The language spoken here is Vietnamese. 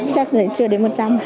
chắc là chưa đến một trăm linh